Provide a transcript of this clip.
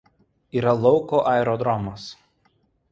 Yra lauko aerodromas.